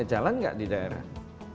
jalan nggak di daerah